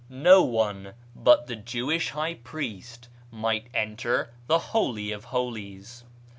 No one but the Jewish high priest might enter the Holy of Holies.